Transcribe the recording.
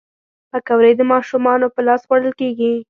پکورې د ماشومانو په لاس خوړل کېږي